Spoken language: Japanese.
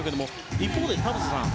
一方で、田臥さん